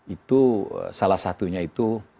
itu salah satunya itu